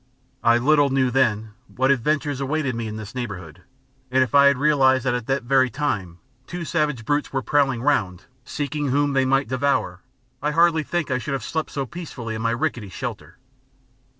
I little knew then what adventures awaited me in this neighbourhood; and if I had realised that at that very time two savage brutes were prowling round, seeking whom they might devour, I hardly think I should have slept so peacefully in my rickety shelter.